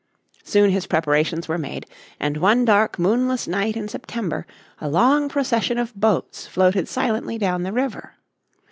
Soon his preparations were made, and one dark moonless night in September a long procession of boats floated silently down the river.